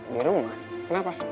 di rumah kenapa